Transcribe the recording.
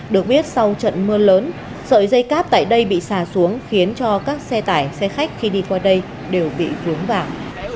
được biết sau trận mưa lớn sợi dây cáp tại đây bị xà xuống khiến cho các xe tải xe khách khi đi qua đây đều bị vướng vào